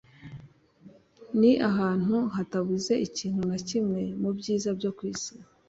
ni ahantu hatabuze ikintu na kimwe mu byiza byo ku isi